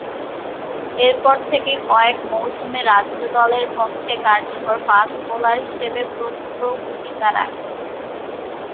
এরপর থেকে কয়েক মৌসুমে রাজ্য দলের পক্ষে কার্যকর ফাস্ট বোলার হিসেবে প্রভূতঃ ভূমিকা রাখেন।